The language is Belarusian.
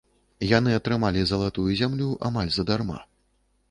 Яны атрымалі залатую зямлю амаль задарма.